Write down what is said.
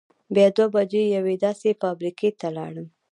بیا دوه بجې یوې داسې فابرېکې ته لاړم.